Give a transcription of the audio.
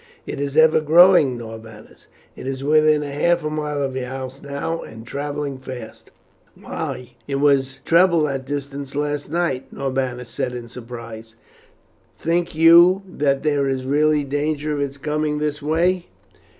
"It is ever growing, Norbanus. It is within half a mile of your house now, and travelling fast." "Why, it was treble that distance last night," Norbanus said in surprise. "Think you that there is really danger of its coming this way?"